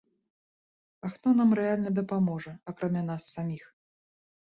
А хто нам рэальна дапаможа, акрамя нас саміх?!